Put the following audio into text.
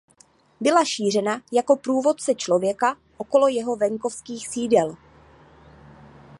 Byla šířena jako průvodce člověka okolo jeho venkovských sídel.